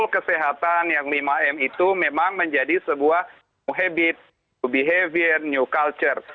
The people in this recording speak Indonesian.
kesehatan yang lima m itu memang menjadi sebuah behavior new culture